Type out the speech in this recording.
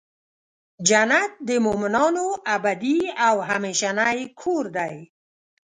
جنت د مؤمنانو ابدې او همیشنی کور دی .